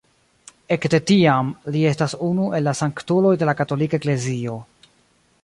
Ekde tiam, li estas unu el la sanktuloj de la katolika eklezio.